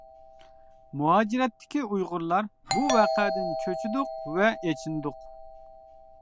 مۇھاجىرەتتىكى ئۇيغۇرلار بۇ ۋەقەدىن چۆچۈدۇق ۋە ئېچىندۇق.